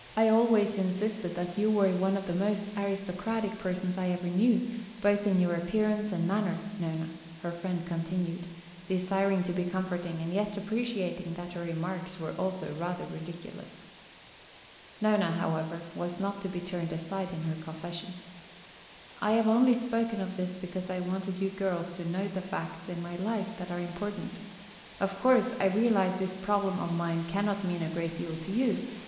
"I always insisted that you were one of the most aristocratic persons I ever knew, both in your appearance and manner, Nona," her friend continued, desiring to be comforting and yet appreciating that her remarks were also rather ridiculous. Nona, however, was not to be turned aside in her confession. "I have only spoken of this because I wanted you girls to know the facts in my life that are important. Of course, I realize this problem of mine cannot mean a great deal to you.